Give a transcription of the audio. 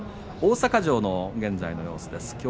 大阪城の現在の様子です。